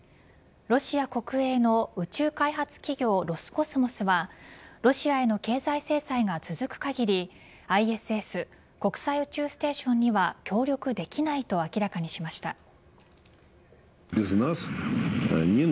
ロシア国営の宇宙開発企業ロスコスモスはロシアへの経済制裁が続く限りＩＳＳ＝国際宇宙ステーションには協力できないと明らかにしました。